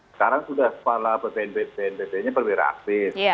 sekarang sudah kepala bntt bntt nya perwira aktif